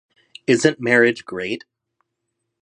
Isn't marriage great?